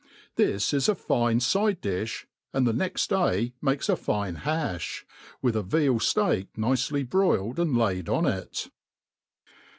This is a fine (ide difh, and the next day makes a fine hafli, with a veal*fteak nicely broil* ed and laid on it.